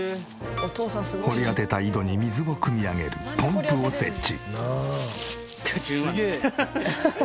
掘り当てた井戸に水をくみ上げるポンプを設置。